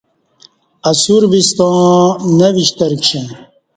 اسیوربِستاں نہ وشتر کشݩع